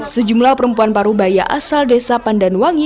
sejumlah perempuan parubaya asal desa pandanwangi